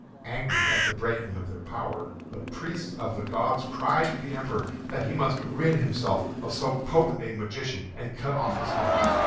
Angry at the breaking of their power, the priests of the gods cried to the Emperor that he must rid himself of so potent a magician and cut off his head.